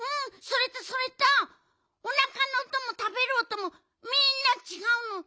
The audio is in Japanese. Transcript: それとそれとおなかのおともたべるおともみんなちがうの。